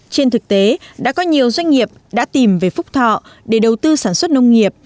trên thực tế đã có nhiều doanh nghiệp đã tìm về phúc thọ để đầu tư sản xuất nông nghiệp